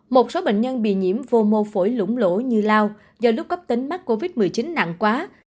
một số bệnh nhân bị nhiễm vô mô phổi lũng lỗ như lao do lúc cấp tính mắc covid một mươi chín nặng quá